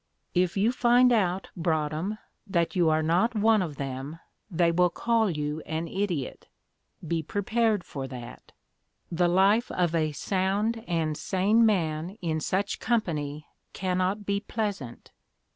If you find out, Broadhem, that you are not one of them, they will call you an idiot be prepared for that. The life of a sound and sane man in such company cannot be pleasant.